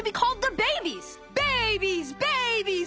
ベイビーズ！